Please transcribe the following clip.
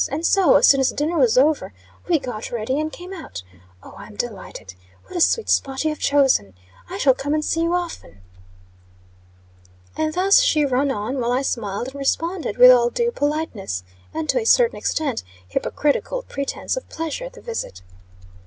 And so, as soon as dinner was over, we got ready and came out. Oh, I'm delighted! What a sweet spot you have chosen. I shall come and see you often." And thus she ran on, while I smiled, and responded with all due politeness, and to a certain extent, hypocritical pretence of pleasure at the visit.